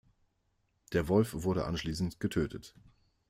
Der Wolf wurde anschließend getötet.